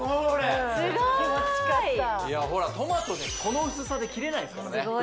すごーいトマトでこの薄さで切れないですからね